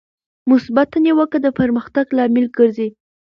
مثبته نیوکه د پرمختګ لامل ګرځي.